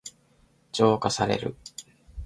浄化される。